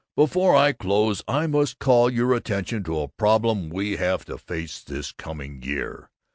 Before I close I must call your attention to a problem we have to face, this coming year.